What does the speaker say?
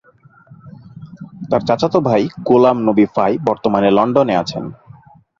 তার চাচাতো ভাই গোলাম নবী ফাই বর্তমানে লন্ডনে আছেন।